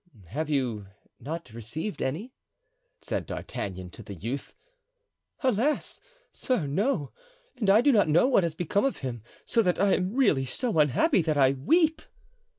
"Have you not received any?" said D'Artagnan to the youth. "Alas! sir, no, and I do not know what has become of him; so that I am really so unhappy that I weep."